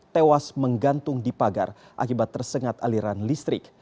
tewas menggantung di pagar akibat tersengat aliran listrik